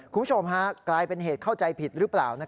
คุณผู้ชมฮะกลายเป็นเหตุเข้าใจผิดหรือเปล่า